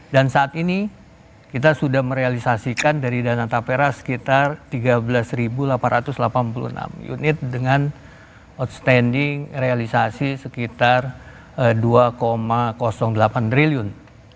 dan saat ini kita sudah merealisasikan dari dana tapra sekitar tiga belas delapan ratus delapan puluh enam unit dengan outstanding realisasi sekitar dua delapan triliun